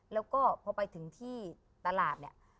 แล้วก็พอไปถึงที่ตลาดเนี่ย